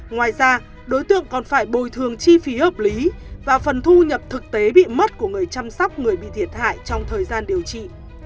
ngoài ra đối tượng còn phải bồi thường chi phí hợp lý và phần thu nhập thực tế bị mất của người chăm sóc người bị thiệt hại trong thời gian điều trị